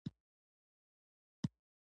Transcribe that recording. مه غولېږه، رښتیا اوږده لاره لري.